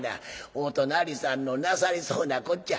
お隣さんのなさりそうなこっちゃ。